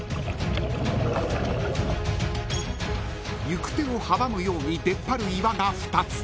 ［行く手を阻むように出っ張る岩が２つ］